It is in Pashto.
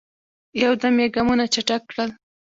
یو دم یې ګامونه چټک کړل.